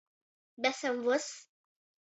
Besam vyss.